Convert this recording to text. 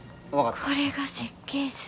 これが設計図。